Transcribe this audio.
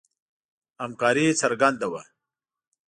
همکاري څرګنده وه.